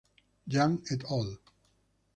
Yang "et al.